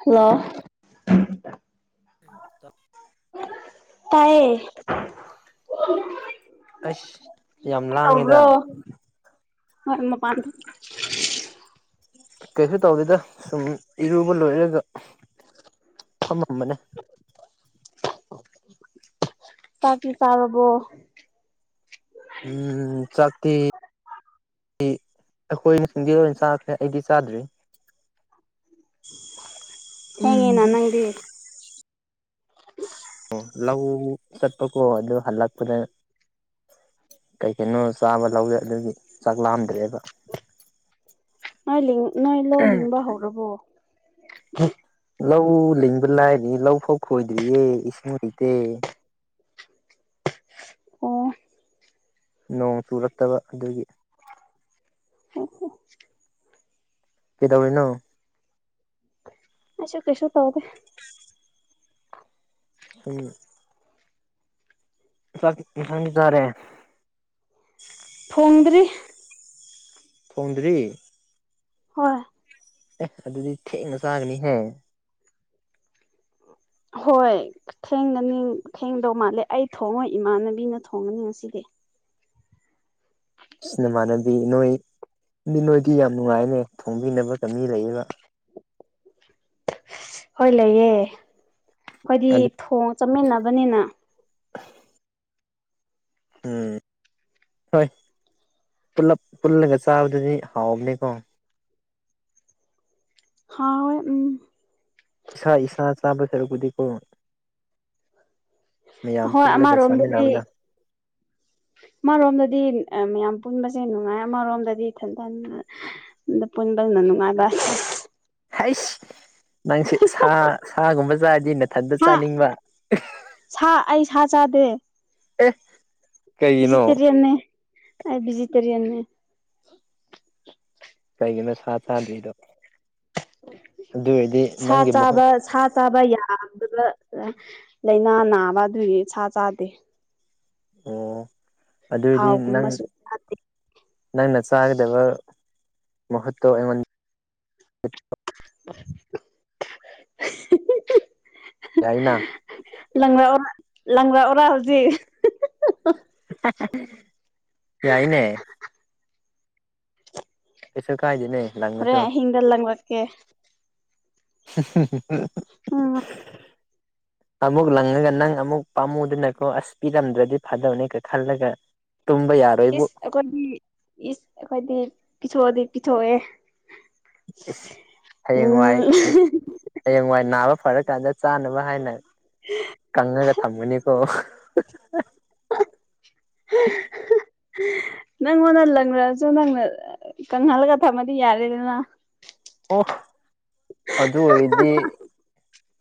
Hello. [unintelligible] [inaudible] ꯇꯥꯑꯦ꯫ ꯑꯁ ꯌꯥꯝ ꯂꯥꯡꯉꯦꯗ꯫ ꯇꯧꯕ꯭ꯔꯣ ꯍꯣꯏ ꯃꯄꯝ꯫ [inaudible] ꯀꯩꯁꯨ ꯇꯧꯗꯦꯗ ꯁꯨꯝ ꯏꯔꯨꯕ ꯂꯣꯏꯔꯒ ꯐꯝꯃꯝꯕꯅꯦ꯫ ꯆꯥꯛꯇꯤ ꯆꯥꯔꯕꯣ꯫ ꯎꯝ ꯆꯥꯛꯇꯤ ꯑꯩ ꯑꯩꯈꯣꯏ ꯁꯤꯡꯗꯤ ꯂꯣꯏ ꯆꯥꯈ꯭ꯔꯦ ꯑꯩꯗꯤ ꯆꯥꯗ꯭ꯔꯤ꯫ ꯊꯦꯡꯑꯦꯅ ꯎꯝ ꯅꯪꯗꯤ꯫ [inaudible] [unintelligible] ꯑꯣ ꯂꯧ ꯆꯠꯄꯀꯣ ꯑꯗꯨ ꯍꯜꯂꯛꯄꯗ ꯀꯩ ꯀꯩꯅꯣ ꯆꯥꯕ ꯂꯧꯋꯦ ꯑꯗꯨꯒꯤ ꯆꯥꯛ ꯂꯥꯝꯗ꯭ꯔꯦꯕ꯫ ꯅꯣꯏ ꯂꯤꯡ ꯅꫭꯏ ꯂꯧ ꯂꯤꯡꯕ ꯍꯧꯔꯕꯣ꯫ ꯂꯧ ꯂꯤꯡꯕ ꯂꯥꯏꯔꯤ ꯂꯧ ꯐꯥꯎ ꯈꯣꯏꯗ꯭ꯔꯤꯌꯦ ꯏꯁꯤꯡ ꯂꯩꯇꯦ꯫ ꯑꯣ꯫ ꯅꯣꯡ ꯆꯨꯔꯛꯇꯕ ꯑꯗꯨꯒꯤ꯫ [unintelligible] ꯀꯩꯗꯧꯔꯤꯅꯣ꯫ ꯑꯩꯁꯨ ꯀꯩꯁꯨ ꯇꯧꯗꯦ꯫ [unintelligible] ꯆꯥꯛ ꯑꯦꯟꯁꯥꯡ ꯆꯥꯔꯦ꯫ ꯊꯣꯡꯗ꯭ꯔꯤ꯫ ꯊꫭꯡꯗ꯭ꯔꯤ꯫ ꯍꯣꯏ꯫ ꯑꯦ ꯑꯗꯨꯗꯤ ꯊꯦꯡꯅ ꯆꯥꯒꯅꯤ ꯍꯦ꯫ ꯍꯣꯏ ꯊꯦꯡꯒꯅꯤ ꯊꯦꯡꯗꯧ ꯃꯥꯜꯂꯦ ꯑꯩ ꯊꯣꯡꯉꯣꯏ ꯏꯃꯥꯟꯅꯕꯤꯅ ꯊꯣꯡꯉꯅꯤ ꯉꯁꯤꯗꯤ꯫ ꯁ ꯅꯃꯥꯟꯅꯕꯤ ꯅꯣꯏ ꯃꯤ ꯅꯣꯏꯗꯤ ꯌꯥꯝ ꯅꯨꯡꯉꯥꯏꯅꯦ ꯊꯣꯡꯕꯤꯅꯕꯒ ꯃꯤ ꯂꯩꯌꯦꯕ꯫ ꯍꯣꯏ ꯂꯩꯌꯦ ꯑꯩꯈꯣꯏꯗꯤ ꯑꯗꯨ ꯊꯣꯡ ꯆꯠꯃꯤꯟꯅꯕꯅꯤꯅ ꯎꯝ ꯍꯣꯏ ꯄꯨꯜꯂꯞ ꯄꯨꯜꯂꯒ ꯆꯥꯕꯗꯗꯤ ꯍꯥꯎꯕꯅꯤꯀꯣ꯫ ꯍꯥꯎ ꯎꯝ꯫ ꯏꯁꯥ ꯏꯁꯥ ꯆꯥꯕ ꯁꯔꯨꯛꯄꯨꯗꯤꯀꯣ꯫ ꯃꯌꯥꯝ ꯍꯣꯏ ꯄꯨꯜꯂꯒ ꯑꯃꯔꯣꯝꯗꯗꯤ ꯆꯥꯃꯥꯟꯅꯕꯅ ꯑꯃꯔꯣꯝꯗꯗꯤ ꯑ ꯃꯌꯥꯝ ꯄꯨꯟꯕꯁꯦ ꯅꯨꯡꯉꯥꯏ ꯑꯃꯔꯣꯝꯗꯗꯤ ꯏꯊꯟꯇꯅ ꯑꯗ ꯄꯨꯟꯕꯗꯨꯅ ꯅꯨꯡꯉꯥꯏꯕ꯫ [unintelligible] ꯍꯩꯁ ꯅꯪꯁꯦ ꯁꯥ ꯁꯥꯒꯨꯝꯕ ꯆꯥꯔꯗꯤ ꯅꯊꯟꯇ ꯍꯥ ꯆꯥꯅꯤꯡꯕ꯫ ꯁꯥ ꯑꯩ ꯁꯥ ꯆꯥꯗꯦ꯫ ꯑꯦ꯫ ꯀꯩꯒꯤꯅꯣ ꯕꯤꯖꯤꯇꯦꯔꯤꯌꯥꯟꯅꯦ ꯑꯩ ꯕꯤꯖꯤꯇꯦꯔꯤꯌꯥꯟꯅꯦ꯫ ꯀꯩꯒꯤꯅ ꯁꯥ ꯆꯥꯗ꯭ꯔꯤꯗꯣ꯫ ꯑꯗꯨ ꯑꯣꯏꯔꯗꯤ ꯁꯥ ꯅꯪꯒꯤ ꯃꯍꯨꯠ ꯆꯥꯕ ꯁꯥ ꯆꯥꯕ ꯌꯥꯗꯨꯗ ꯂꯥꯏꯅꯥ ꯅꯥꯕ ꯑꯗꯨꯒꯤ ꯁꯥ ꯆꯥꯗꯦ ꯑꯣ ꯑꯗꯨꯑꯣꯏꯗꯤ ꯅꯪ ꯊꯥꯎꯒꯨꯝꯕꯁꯨ ꯅꯪꯅ ꯆꯥꯒꯗꯕ ꯃꯍꯨꯠꯇꯣ ꯑꯩꯉꯣꯟꯗ [unintelligible] [unintelligible] ꯌꯥꯏꯅꯥ ꯂꯪꯔꯛ ꯂꯪꯔꯛꯑꯣꯔꯥ ꯍꯧꯖꯤꯛ ꯌꯥꯏꯅꯦ ꯀꯩꯁꯨ ꯀꯥꯏꯗꯦꯅꯦ ꯂꯪꯉꯥꯁꯨ ꯍꯣꯔꯦꯟ ꯑꯍꯤꯡꯗ ꯂꯪꯂꯛꯀꯦ [unintelligible] ꯑꯃꯨꯛ ꯂꯪꯉꯒ ꯅꯪ ꯑꯃꯨꯛ ꯄꯥꯝꯃꯨꯗꯅꯀꯣ ꯑꯁ ꯄꯤꯔꯝꯗ꯭ꯔꯗꯤ ꯐꯥꯗꯧꯅꯤꯒ ꯈꯜꯂꯒ ꯇꯨꯝꯕ ꯌꯥ ꯏꯁ ꯑꯩꯈꯣꯏꯗꯤ ꯏꯁ ꯑꯩꯈꯣꯏꯗꯤ ꯄꯤꯊꯣꯛꯑꯗꯤ ꯄꯤꯊꯣꯛꯑꯦ ꯍꯌꯦꯡꯋꯥꯏ ꯎꯝ ꯍꯌꯦꯡꯋꯥꯏ ꯅꯥꯕ ꯐꯔꯀꯥꯟꯗ ꯆꯥꯅꯕ ꯍꯥꯏꯅ ꯀꯪꯉꯒ ꯊꯝꯃꯅꯤꯀꯣ [unintelligible] ꯅꯪꯉꯣꯟꯗ ꯂꯪꯅꯁꯨ ꯅꯪꯅ ꯀꯪꯍꯜꯂꯒ ꯊꯝꯃꯗꯤ ꯌꯥꯔꯦꯗꯅ ꯑꯣ ꯑꯗꯨ ꯑꯣꯏꯔꯗꯤ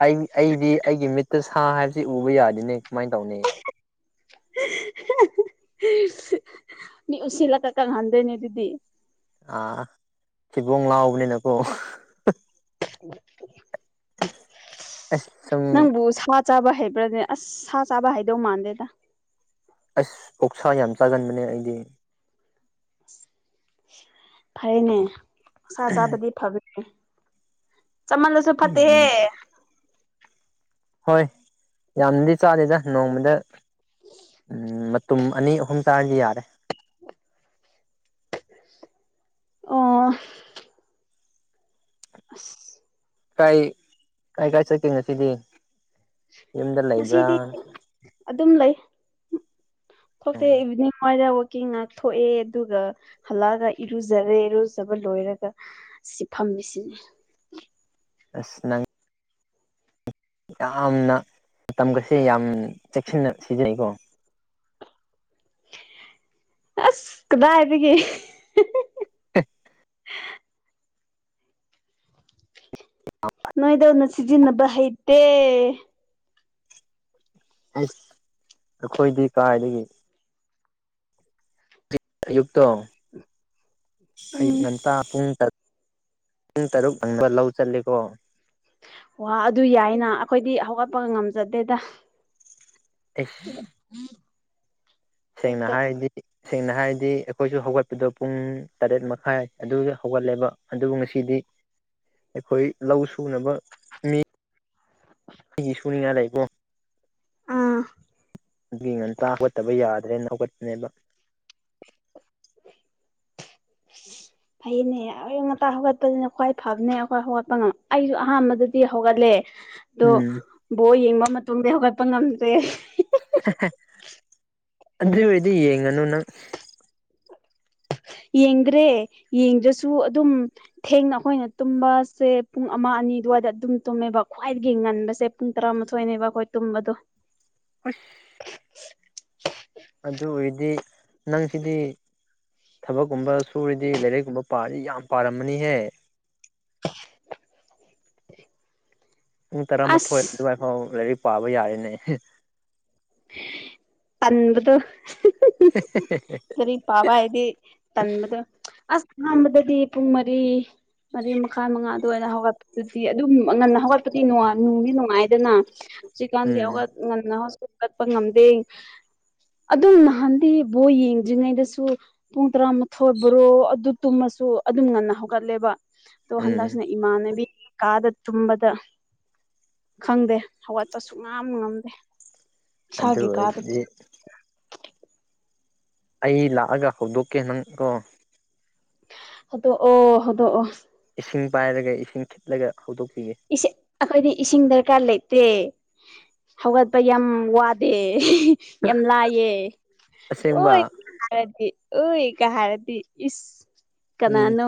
ꯑꯩ ꯑꯩꯗꯤ ꯑꯩꯒꯤ ꯃꯤꯠꯇ ꯁꯥ ꯍꯥꯏꯕꯁꯤ ꯎꯕ ꯌꯥꯗꯦꯅꯦ ꯀꯃꯥꯏꯅ ꯇꯧꯅꯤ ꯃꯤ ꯎꯁꯤꯠꯂꯒ ꯀꯪꯍꯟꯗꫭꯏꯅꯦ ꯑꯗꯨꯗꯤ ꯑꯥ ꯊꯤꯕꯣꯡ ꯂꯥꯎꯕꯅꯤꯅꯀꯣ ꯑꯁ ꯁꯨꯝ ꯅꯪꯕꯨꯁ ꯆꯥꯕ ꯍꯩꯕ꯭ꯔꯥꯗꯤ ꯑꯁ ꯁꯥ ꯆꯥꯕ ꯍꯩꯗꯧ ꯃꯥꯟꯗꯦꯗ ꯑꯁ ꯑꯣꯛꯁꯥ ꯌꯥꯝ ꯆꯥꯒꯟꯕꯅꯦ ꯑꯩꯗꯤ ꯐꯔꯦꯅꯦ ꯁꯥ ꯆꯥꯕꯨꯗꯤ ꯐꯕ ꯆꯃꯜꯂꯁꯨ ꯐꯠꯇꯦꯍꯦ ꯎꯝ ꯍꯣꯏ ꯌꯥꯝꯅꯗꯤ ꯆꯥꯗꯦꯗ ꯅꯣꯡꯃꯗ ꯎꯝ ꯃꯇꯨꯝ ꯑꯅꯤ ꯑꯍꯨꯝ ꯆꯥꯔꯗꯤ ꯌꯥꯔꯦ ꯑꯣ ꯑꯁ ꯀꯥꯏ ꯀꯥꯏ ꯀꯥꯏ ꯆꯠꯀꯦ ꯉꯁꯤꯗꯤ ꯌꯨꯝꯗ ꯂꯩꯕ꯭ꯔꯥ ꯉꯁꯤꯗꯤ ꯑꯗꯨꯝ ꯂꯩ ꯊꯣꯛꯇꯦ ꯎꯝ ꯏꯚꯤꯅꯤꯡ ꯑꯗꯨꯋꯥꯏꯔ ꯀꯤꯡ ꯉꯥꯛꯊꯣꯛꯑꯦ ꯑꯗꯨꯒ ꯍꯜꯂꯛꯑꯒ ꯏꯔꯨꯖꯔꯦ ꯏꯔꯨꯖꯕ ꯂꯣꯏꯔꯒ ꯁꯤ ꯐꯝꯃꯤ ꯁꯤꯅꯤ ꯑꯁ ꯅꯪ ꯌꯥꯝꯅ ꯃꯇꯝꯒꯁꯦ ꯌꯥꯝ ꯆꯦꯛꯁꯤꯟꯅ ꯁꯤꯖꯤꯟꯅꯩꯀꯣ ꯑꯁ ꯀꯗꯥꯏꯗꯒꯤ [unintelligible] ꯑ ꯅꯣꯏꯗꯧꯅ ꯁꯤꯖꯤꯅꯕ ꯍꯩꯇꯦ ꯑꯁ ꯑꯩꯈꯣꯏꯗꯤ ꯀꯥꯏꯗꯒꯤ ꯑꯌꯨꯛꯇꯣ ꯑꯌꯨꯛ ꯎꯝ ꯉꯟ ꯍꯞꯇꯥ ꯄꯨꯡ ꯇꯔꯨꯛ ꯄꯨꯡ ꯇꯔꯨꯛ ꯍꯪꯕ ꯂꯧ ꯆꯠꯂꯦꯀꯣ ꯋꯥꯍ ꯑꯗꯨ ꯌꯥꯏꯅ ꯑꯩꯈꯣꯏꯗꯤ ꯍꯧꯒꯠꯄꯒ ꯉꯝꯖꯗꯦꯗ ꯑꯦ [inaudible] ꯁꯦꯡꯅ ꯍꯥꯏꯔꯗꯤ ꯁꯦꯡꯅ ꯍꯥꯏꯔꯗꯤ ꯑꯩꯈꯣꯏꯁꯨ ꯍꯧꯒꯠꯄꯗꯣ ꯄꯨꯡ ꯇꯔꯦꯠ ꯃꯈꯥꯏ ꯑꯗꯨ ꯍꯧꯒꯠꯂꯦꯕ ꯑꯗꯨꯕꯨ ꯉꯥꯁꯤꯗꯤ ꯑꯩꯈꯣꯏ ꯂꯧ ꯁꯨꯅꯕ ꯃꯤ ꯃꯤꯒꯤ ꯁꯨꯅꯤꯡꯉꯥꯏ ꯂꯩꯀꯣ ꯑꯥ ꯑꯗꯨꯒꯤ ꯉꯟꯇꯥ ꯍꯧꯒꯠꯇꯕ ꯌꯥꯗ꯭ꯔꯦꯅ ꯍꯧꯒꯠꯄꯅꯦꯕ [inaudible] ꯐꯩꯅꯦ ꯑꯌꯨꯛ ꯉꯇꯥ ꯍꯧꯒꯠꯄꯁꯤꯅ ꯈ꯭ꯋꯥꯏ ꯐꯕꯅꯦ ꯑꯩꯈꯣꯏ ꯍꯧꯒꯠꯄ ꯉꯝ ꯑꯩꯁꯨ ꯑꯍꯥꯟꯕꯗꯗꯤ ꯍꯧꯒꯠꯂꯦ ꯑꯗꯣ ꯎꯝ ꯕꯣꯜ ꯌꯦꯡꯕ ꯃꯇꯨꯡꯗꯤ ꯍꯧꯒꯠꯄ ꯉꯝꯗ꯭ꯔꯦ ꯑꯗꯨ ꯑꯣꯏꯔꯗꯤ ꯌꯦꯡꯉꯅꯨ ꯅꯪ ꯌꯦꯡꯗ꯭ꯔꯦ ꯌꯦꯡꯗ꯭ꯔꯁꯨ ꯑꯗꯨꯝ ꯊꯦꯡꯅ ꯑꯩꯈꯣꯏꯅ ꯇꯨꯝꯕꯁꯦ ꯄꯨꯡ ꯑꯃ ꯑꯅꯤ ꯑꯗꯨꯋꯥꯏꯗ ꯑꯗꯨꯝ ꯇꯨꯝꯃꯦꯕ ꯈ꯭ꯋꯥꯏꯗꯒꯤ ꯉꯟꯕꯁꯦ ꯄꯨꯡ ꯇꯔꯥꯃꯊꯣꯏꯅꯦꯕ ꯑꯩꯈꯣꯏ ꯇꯨꯝꯕꯗꯣ ꯍꯁ [inaudible] ꯑꯗꯨ ꯑꯣꯏꯔꯗꯤ ꯅꯪꯁꯤꯗꯤ ꯊꯕꯛꯀꯨꯝꯕ ꯁꯨꯔꯗꯤ ꯂꯥꯏꯔꯤꯛꯀꯨꯝꯕ ꯄꯥꯔꯗꯤ ꯌꯥꯝ ꯄꯥꯔꯝꯃꯅꯤꯍꯦ [unintelligible] ꯄꯨꯡ ꯇꯔꯥꯃꯥꯊꯣꯏ ꯑꯁ ꯑꯗꯨꯋꯥꯏ ꯐꯥꯎ ꯂꯥꯏꯔꯤꯛ ꯄꯥꯕ ꯌꯥꯔꯦꯅꯦ ꯇꯟꯕꯗꯣ [inaudible] ꯂꯥꯏꯔꯤꯛ ꯄꯥꯕ ꯍꯥꯏꯗꯤ ꯇꯟꯕꯗꯣ ꯑꯁ ꯑꯍꯥꯟꯕꯗꯗꯤ ꯄꯨꯡ ꯃꯔꯤ ꯃꯔꯤ ꯃꯈꯥꯏ ꯃꯉꯥ ꯑꯗꯨꯔ ꯑꯣꯏꯅ ꯍꯧꯒꯠꯄꯗꯨꯗꯤ ꯑꯗꯨꯝ ꯉꯟꯅ ꯍꯧꯒꯠꯄꯗꯤ ꯅꯨꯡꯗꯤ ꯅꯨꯡꯉꯥꯏꯗꯅ ꯍꯧꯖꯤꯛꯀꯥꯟꯒꯤꯗꯤ ꯎꯝ ꯉꯟꯅ ꯍꯧꯒꯠꯄ ꯉꯝꯗꯦ ꯑꯗꯨꯝ ꯅꯍꯥꯟꯗꯤ ꯕꯣꯜ ꯌꯦꯡꯗ꯭ꯔꯤꯉꯩꯗꯁꯨ ꯄꯨꯡ ꯇꯔꯥꯃꯊꯣꯏꯕ꯭ꯔꯣ ꯑꯗꯨ ꯇꯨꯝꯃꯁꯨ ꯑꯗꯨꯝ ꯉꯟꯅ ꯍꯧꯒꯠꯂꯦꯕ ꯇꯣ ꯎꯝ ꯍꯟꯗꯛꯁꯤꯅ ꯏꯃꯥꯅꯥꯕꯤ ꯀꯥꯗ ꯇꯨꯝꯕꯗ ꯈꯪꯗꯦ ꯍꯧꯒꯠꯄꯁꯨꯨꯡꯉꯝ ꯉꯝꯗꯦ ꯑꯗꯨ ꯏꯁꯥꯒꯤ ꯀꯥꯗ ꯑꯣꯏꯔꯗꯤ ꯑꯩ ꯂꯥꯛꯑꯒ ꯍꯧꯗꯣꯛꯀꯦ ꯅꯪ ꯀꯣ ꯍꯧꯗꯣꯛꯑꯣ ꯍꯧꯗꯣꯛꯑꯣ ꯏꯁꯤꯡ ꯄꯥꯏꯔꯒ ꯏꯁꯤꯡ ꯈꯤꯛꯂꯒ ꯍꯧꯗꯣꯛꯄꯤꯒꯦ ꯏꯁꯤ ꯑꯩꯈꯣꯏꯗꯤ ꯏꯁꯤꯡ ꯗꯔꯀꯥꯔ ꯂꯩꯇꯦ ꯍꯧꯒꯠꯄ ꯌꯥꯝ ꯋꯥꯗꯦ ꯌꯥꯝ ꯂꯥꯏꯌꯦ ꯑꯁꯦꯡꯕ ꯍꯣꯏ ꯍꯥꯏꯔꯗꯤ ꯑꯣꯏ ꯀꯥ ꯍꯥꯏꯔꯗꯤ ꯏꯁ ꯎꯝ ꯀꯅꯥꯅꯣ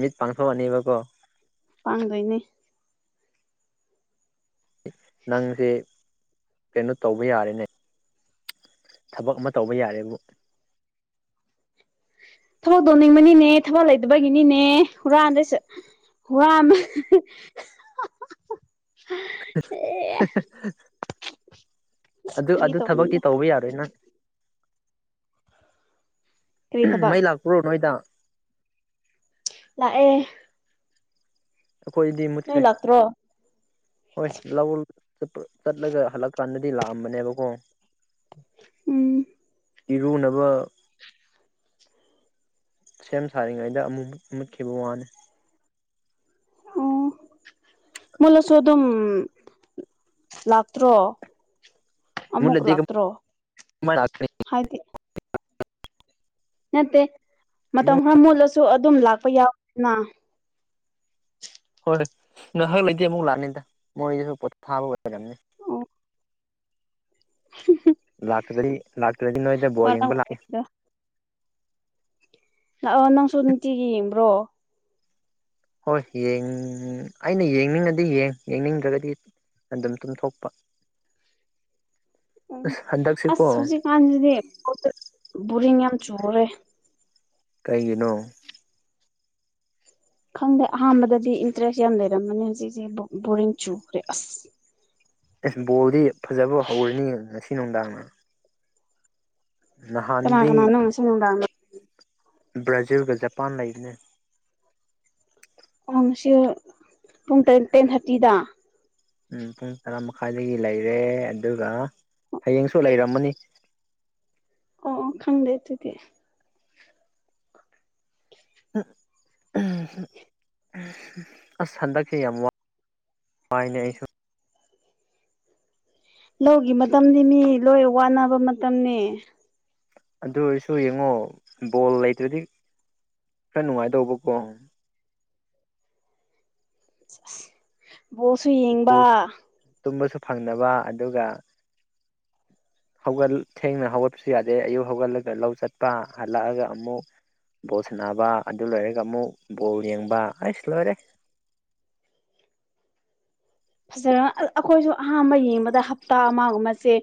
ꯃꯤꯠ ꯄꯥꯡꯊꯣꯛꯑꯅꯤꯕꯀꯣ ꯄꯥꯡꯗꯣꯏꯅꯦ ꯅꯪꯁꯦ ꯀꯩꯅꯣ ꯇꯧꯕ ꯌꯥꯔꯦꯅꯦ ꯊꯕꯛ ꯑꯃ ꯇꯧꯕ ꯌꯥꯔꯦꯕꯨ ꯊꯕꯛ ꯇꯧꯅꯤꯡꯕꯅꯤꯅꯦ ꯊꯕꯛ ꯂꯩꯇꯕꯒꯤꯅꯤꯅꯦ ꯍꯨꯔꯥꯟꯗꯩꯁꯦ ꯍꯨꯔꯥꯟ ꯑꯦ [inaudible] [inaudible] ꯑꯗꯨ ꯐꯥꯒꯤ ꯑꯗꯨ ꯊꯕꯛꯇꯤ ꯇꯧꯕꯅꯤꯗ ꯇꯧꯕ ꯌꯥꯔꯣꯏ ꯅꯪ ꯀꯔꯤ ꯊꯕꯛ ꯃꯩ ꯂꯥꯛꯄ꯭ꯔꯣ ꯅꯣꯏꯗ ꯂꯥꯛꯑꯦ ꯑꯩꯈꯣꯏꯗꯤ ꯅꯣꯏ ꯃꯨꯠꯈ꯭ꯔꯦ ꯂꯥꯛꯇ꯭ꯔꯣ ꯍꯣꯏ ꯂꯥꯛꯎ ꯄ ꯆꯠꯂꯒ ꯍꯜꯂꯛꯀꯥꯟꯗꯗꯤ ꯂꯥꯛꯑꯝꯕꯅꯦꯕꯀꯣ ꯎꯝ ꯏꯔꯨꯅꯕ ꯁꯦꯝ ꯁꯥꯔꯤꯉꯩꯗ ꯑꯃꯨꯛ ꯃꯨꯠꯈꯤꯕ ꯋꯥꯅꯤ ꯑꯣ ꯃꯨꯠꯂꯁꯨ ꯑꯗꯨꯝ ꯂꯥꯛꯇ꯭ꯔꯣ ꯑꯃꯨꯛ ꯃꯨꯠꯂꯗꯤ ꯂꯥꯛꯇ꯭ꯔꯣ ꯀꯃꯥꯏ ꯂꯥꯛꯀꯅꯤ ꯍꯥꯏꯗꯤ ꯅꯠꯇꯦ ꯃꯇꯝ ꯑꯃꯨꯛ ꯈꯔ ꯃꯨꯠꯂꯁꯨ ꯑꯗꯨꯝ ꯂꯥꯛꯄ ꯌꯥꯎꯋꯤꯗꯅ ꯍꯣꯏ ꯉꯥꯏꯍꯥꯛ ꯂꯩꯇꯦ ꯑꯃꯨꯛ ꯂꯥꯛꯑꯅꯤꯗ ꯃꯣꯏꯗꯁꯨ ꯄꯣ ꯊꯥꯕ ꯑꯣꯏꯕꯅꯦ ꯑꯣ ꯂꯥꯛꯇ꯭ꯔꯗꯤ ꯂꯥꯛꯇ꯭ꯔꯗꯤ ꯅꯣꯏꯗ ꯕꯣꯜ ꯌꯦꯡꯕ ꯂꯥꯛꯀꯦ ꯋꯥꯔꯝꯒꯅꯤꯗ ꯂꯛꯑꯣ ꯅꯪꯁꯨ ꯅꯨꯡꯇꯤꯒꯤ ꯌꯦꯡꯕ꯭ꯔꯣ ꯍꯣꯏ ꯌꯦꯡ ꯑꯩꯅ ꯌꯦꯡꯅꯤꯡꯉꯗꯤ ꯌꯦꯡ ꯌꯦꯡꯅꯤꯡꯗ꯭ꯔꯒꯗꯤ ꯑꯗꯨꯝ ꯇꯨꯝꯊꯣꯛꯄ ꯎꯝ ꯑꯁ ꯍꯟꯗꯛꯁꯤꯀꯣ ꯑꯁ ꯍꯧꯖꯤꯛꯀꯥꯟꯁꯤꯗꯤ [unintelligible] ꯕꯣꯔꯤꯡ ꯌꯥꯝ ꯆꯨꯔꯦ ꯀꯩꯒꯤꯅꯣ? ꯈꯪꯗꯦ ꯑꯍꯥꯟꯕꯗꯗꯤ ꯏꯟꯇ꯭ꯔꯦꯁ ꯌꯥꯝ ꯂꯩꯔꯝꯃꯅꯦ ꯍꯧꯖꯤꯛꯁꯦ ꯕꯣ ꯕꯣꯔꯤꯡ ꯆꯨꯈ꯭ꯔꯦ ꯑꯁ ꯑꯦꯁ ꯕꯣꯜꯗꯤ ꯐꯖꯕ ꯍꯧꯔꯅꯤ ꯉꯁꯤ ꯅꯨꯡꯗꯥꯡꯅ ꯀꯅꯥ ꯅꯍꯥꯟꯗꯤ ꯀꯅꯥꯅꯣ ꯉꯁꯤ ꯅꯨꯡꯗꯥꯡꯗ ꯕ꯭ꯔꯥꯖꯤꯜꯒ ꯖꯄꯥꯟ ꯂꯩꯕꯅꯦ ꯑꯣ ꯉꯁꯤ ꯌꯨ ꯄꯨꯡ ꯇꯦꯟ ꯇꯦꯟ ꯊꯥꯔꯇꯤꯗ? ꯎꯝ ꯄꯨꯡ ꯇꯔꯥ ꯃꯈꯥꯏꯗꯒꯤ ꯂꯩꯔꯦ ꯑꯗꯨꯒ ꯍꯥꯌꯦꯡꯁꯨ ꯂꯩꯔꯝꯃꯅꯤ ꯑꯣ ꯑꯣ ꯈꯪꯗꯦ ꯗꯨꯗꯤ [unintelligible] ꯑꯁ ꯍꯟꯗꯛꯁꯦ ꯌꯥꯝ ꯋꯥ ꯄꯥꯏꯅꯦ ꯑꯩꯁꯨ ꯂꯧꯒꯤ ꯃꯇꯝꯅꯤ ꯃꯤ ꯂꯣꯏ ꯋꯥꯅꯕ ꯃꯇꯝꯅꯦ ꯑꯗꯨ ꯑꯣꯏꯔꯁꯨ ꯌꯦꯡꯉꯣ ꯕꯣꯜ ꯂꯩꯇ꯭ꯔꯗꯤ ꯈꯔ ꯅꯨꯉꯥꯏꯗꯧꯕꯀꯣ ꯁꯦꯖ ꯕꯣꯜꯁꯨ ꯌꯦꯡꯕ ꯕꯣꯜ ꯇꯨꯝꯕꯁꯨ ꯐꯪꯅꯕ ꯑꯗꯨꯒ [inaudible] ꯍꯧꯒꯜ ꯊꯦꯡꯅ ꯍꯧꯒꯠꯄꯁꯨ ꯌꯥꯗꯦ ꯑꯌꯨꯛ ꯍꯧꯒꯠꯂꯒ ꯂꯧ ꯆꯠꯄ ꯍꯜꯂꯛꯑꯒ ꯑꯃꯨꯛ ꯕꯣꯜ ꯁꯥꯟꯅꯕ ꯑꯗꯨ ꯂꯣꯏꯔꯒ ꯑꯃꯨꯛ ꯕꯣꯜ ꯌꯦꯡꯕ ꯑꯩꯁ ꯂꯣꯏꯔꯦ ꯐꯖꯔ ꯑꯜ ꯑꯈꯣꯏꯁꯨ ꯑꯍꯥꯟꯕ ꯌꯦꯡꯕꯗ ꯍꯞꯇꯥ ꯑꯃꯒꯨꯝꯕꯁꯦ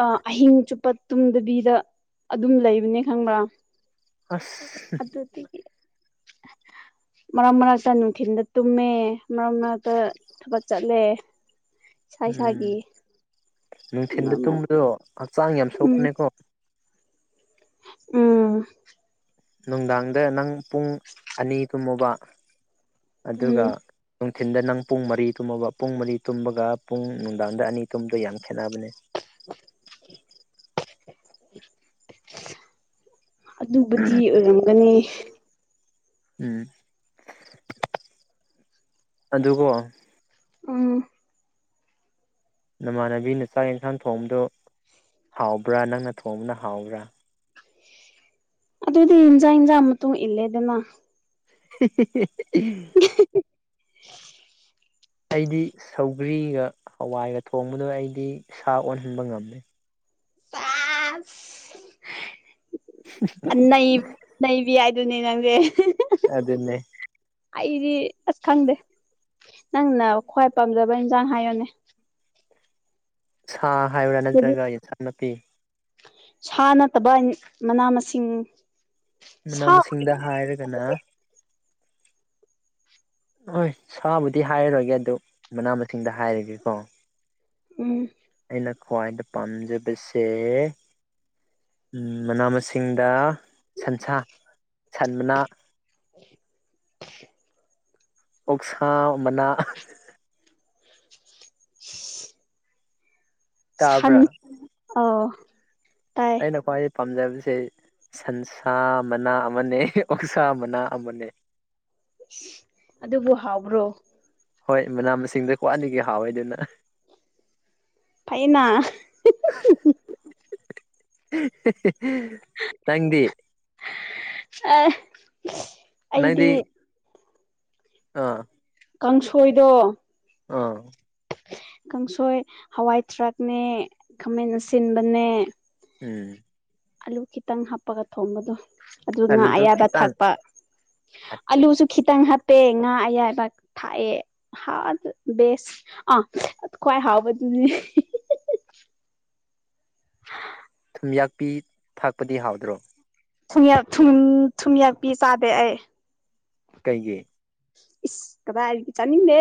ꯑꯥ ꯑꯍꯤꯡ ꯆꯨꯞꯄ ꯇꯨꯝꯗꯕꯤꯗ ꯑꯗꯨꯝ ꯂꯩꯕꯅꯦ ꯈꯪꯕ꯭ꯔꯥ ꯑꯁ ꯑꯗꯨꯗꯤꯒꯤ ꯃꯥꯔꯛ ꯃꯔꯛꯇ ꯅꯨꯡꯊꯤꯟꯗ ꯇꯨꯝꯃꯦ ꯃꯔꯛ ꯃꯔꯛꯇ ꯊꯕꯛ ꯆꯠꯂꯦ ꯏꯁꯥ ꯎꯝ ꯏꯁꯥꯒꯤ ꯅꯨꯡꯊꯤꯟꯗ ꯇꯨꯝꯕꯗꯣ ꯍꯛꯆꯥꯡ ꯌꯥꯝ ꯎꯝ ꯁꯣꯛꯄꯅꯦꯀꯣ ꯎꯝ ꯅꯨꯡꯗꯥꯡꯗ ꯅꯪ ꯄꯨꯡ ꯑꯅꯤ ꯇꯨꯝꯃꯣꯕ ꯎꯝ ꯑꯗꯨꯒ ꯅꯨꯡꯊꯤꯟꯗ ꯅꯪ ꯄꯨꯡ ꯃꯔꯤ ꯇꯨꯝꯃꯣꯕ ꯄꯨꯡ ꯃꯔꯤ ꯇꯨꯝꯕꯒ ꯄꯨꯡ ꯅꯨꯡꯗꯥꯡꯗ ꯑꯅꯤ ꯇꯨꯝꯗꯣ ꯌꯥꯝ ꯈꯦꯠꯅꯕꯅꯦ ꯑꯗꯨꯕꯨꯗꯤ ꯑꯣꯏꯔꯝꯒꯅꯤ ꯎꯝ ꯑꯗꯨꯀꯣ ꯎꯝ ꯅꯃꯥꯟꯅꯕꯤꯅ ꯆꯥꯛ ꯌꯦꯟꯁꯥꯡ ꯊꯣꯡꯕꯗꯨ ꯍꯥꯎꯕ꯭ꯔꯥ ꯅꯪꯅ ꯊꯣꯡꯕꯅ ꯍꯥꯎꯕ꯭ꯔꯥ? ꯑꯗꯨꯗꯤ ꯏꯟꯖꯥꯡ ꯍꯟꯖꯥꯡ ꯃꯇꯨꯡ ꯏꯟꯂꯦꯗꯅ ꯍꯦ ꯍꯦ ꯍꯦ [unintelligible] [unintelligible] ꯑꯩꯗꯤ ꯁꯧꯒ꯭ꯔꯤꯒ ꯍꯋꯥꯏꯒ ꯊꯣꯡꯕꯗ ꯑꯩꯗꯤ ꯁꯥ ꯑꯣꯟꯍꯟꯕ ꯉꯝꯃꯦ ꯑꯁ [unintelligible] [unintelligible] ꯅꯩ ꯅꯩꯕꯤ ꯍꯥꯏꯗꯨꯅꯦ ꯅꯪꯗꯤ [unintelligible] ꯑꯗꯨꯅꯦ ꯑꯩꯗꯤ ꯑꯁ ꯈꯪꯗꯦ ꯅꯪꯅ ꯈ꯭ꯋꯥꯏ ꯄꯥꯝꯖꯕ ꯍꯟꯖꯥꯡ ꯍꯥꯏꯌꯣꯅꯦ? ꯁꯥ ꯍꯥꯏꯕ꯭ꯔꯥ ꯑꯗꯨꯗꯤ ꯅꯠꯇ꯭ꯔꯒ ꯌꯦꯟꯁꯡ ꯅꯥꯄꯤ? ꯁꯥ ꯅꯠꯇꯕ ꯃꯅꯥ ꯃꯁꯤꯡ ꯃꯅꯥ ꯁꯥ ꯃꯁꯤꯡꯗ ꯍꯥꯏꯔꯒꯅ ꯍꯣꯏ ꯁꯥꯕꯨꯗꯤ ꯍꯥꯏꯔꯔꯒꯦ ꯑꯗꯨ ꯃꯅꯥ ꯃꯁꯤꯡꯗ ꯍꯥꯏꯔꯒꯦꯀꯣ ꯎꯝ ꯑꯩꯅ ꯈ꯭ꯋꯥꯏꯗ ꯄꯥꯝꯖꯕꯁꯦ ꯎꯝ ꯃꯅꯥ ꯃꯁꯤꯡꯗ ꯁꯟꯁꯥ ꯁꯟ ꯃꯅꯥ [unintelligible] ꯑꯣꯛꯁꯥ ꯃꯅꯥ [unintelligible] [unintelligible] ꯁꯟ ꯇꯥꯕ꯭ꯔꯥ ꯑꫭ ꯑꯩꯅ ꯄꯥꯏꯌꯦ ꯄꯥꯝꯖꯕꯁꯦ ꯁꯟꯁꯥ ꯃꯅꯥ ꯑꯃꯅꯦ ꯑꯣꯛꯁꯥ ꯃꯅꯥ ꯑꯃꯅꯦ ꯑꯗꯨꯕꯨ ꯍꯥꯎꯕ꯭ꯔꯣ ꯍꯣꯏ ꯃꯅꯥ ꯃꯁꯤꯡꯗ ꯈꯋꯥꯏꯗꯒꯤ ꯍꯥꯎꯋꯦ ꯑꯗꯨꯅ ꯐꯩꯅ ꯅꯪꯗꯤ ꯑ ꯅꯪꯗꯤ ꯑꯥ ꯀꯥꯡꯁꯣꯏꯗꯣ ꯑꯥ ꯀꯥꯡꯁꯣꯏ ꯍꯋꯥꯏ ꯊꯔꯥꯛꯅꯦ ꯈꯥꯃꯦꯟ ꯑꯁꯤꯟꯕꯅꯦ ꯎꯝ ꯑꯂꯨ ꯈꯤꯇꯪ ꯍꯥꯞꯄꯒ ꯊꯣꯡꯕꯗꯣ ꯑꯗꯨꯒ ꯉꯥ ꯑꯂꯨꯗꯣ ꯑꯌꯥꯏꯕ ꯈꯤꯇꯪ ꯊꯥꯛꯄ ꯑꯠꯆꯥ ꯑꯠꯆꯥ ꯑꯂꯨꯁꯨ ꯈꯤꯇꯪ ꯍꯥꯞ ꯄꯦ ꯉꯥ ꯑꯌꯥꯏꯕꯥꯛ ꯊꯥꯛꯑꯦ ꯍꯥ ꯕꯦꯁ ꯑꯥ ꯈꯋꯥꯏ ꯍꯥꯎꯕꯗꯨꯅꯦ ꯊꯨꯝꯌꯥꯛꯄꯤ ꯊꯥꯛꯄꯗꯤ ꯍꯥꯎꯗ꯭ꯔꯣ ꯊꯨꯝ ꯌꯥꯛ ꯊꯨꯝ ꯊꯨꯝꯌꯥꯛꯄꯤ ꯆꯥꯗꯦ ꯑꯩ ꯀꯩꯒꯤ ꯏꯁ ꯀꯗꯥꯏꯗꯤ ꯆꯥꯅꯤꯡꯗꯦ